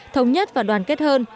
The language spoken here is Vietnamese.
thống nhất và đoàn kết hơn